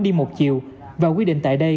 đi một chiều và quy định tại đây